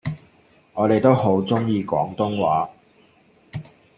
我哋都好鍾意廣東話